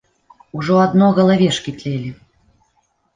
Ужо адно галавешкі тлелі.